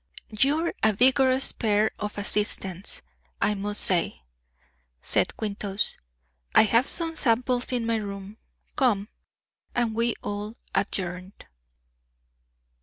"You're a vigorous pair of assistants, I must say," said Quintus. "I have some samples in my room. Come!" and we all adjourned.